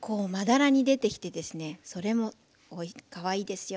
それもかわいいですよ。